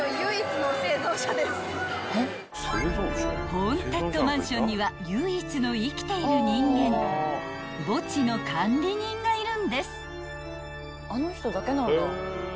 ［ホーンテッドマンションには唯一の生きている人間墓地の管理人がいるんです］